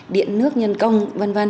điện nước nhân công v v